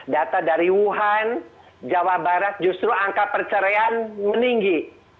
data dari wuhan jawa barat justru angka perceraian meninggi